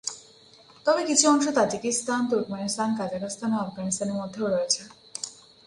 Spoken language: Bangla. তবে কিছু অংশ তাজিকিস্তান, তুর্কমেনিস্তান, কাজাখস্তান ও আফগানিস্তানের মধ্যেও রয়েছে।